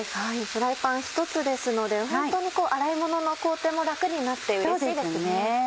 フライパンひとつですのでホントに洗い物の工程も楽になってうれしいですね。